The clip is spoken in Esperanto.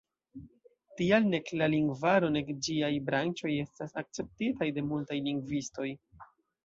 Tial nek la lingvaro, nek ĝiaj branĉoj, estas akceptitaj de multaj lingvistoj.